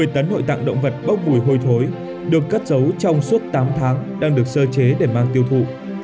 một mươi tấn nội tạng động vật bốc mùi hôi thối được cất giấu trong suốt tám tháng đang được sơ chế để mang tiêu thụ